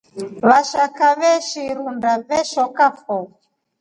Vashaka veshi irunga veshokafo.